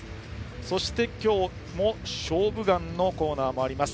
そして、今日も「勝負眼」のコーナーもあります。